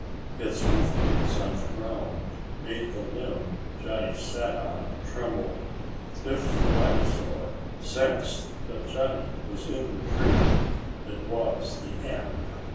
Its hoofbeats on the ground made the limb Johnny sat on tremble. If the rhinosaur sensed that Johnny was in the tree it was the end.